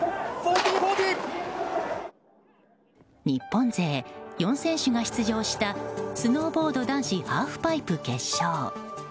日本勢４選手が出場したスノーボード男子ハーフパイプ決勝。